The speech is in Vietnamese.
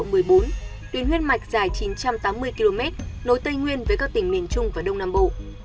tuyến huyết mạch dài chín trăm tám mươi km nối tây nguyên với các tỉnh miền trung và đông nam bộ